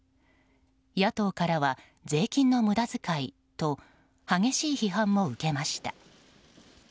野党からは、税金の無駄遣いと激しい批判も受けました。